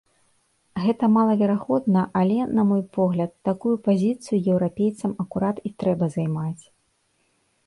Гэта малаверагодна, але, на мой погляд, такую пазіцыю еўрапейцам акурат і трэба займаць.